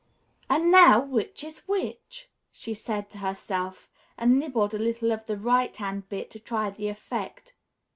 "And now which is which?" she said to herself, and nibbled a little of the right hand bit to try the effect.